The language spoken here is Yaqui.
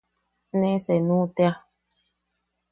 Ne seenu tea.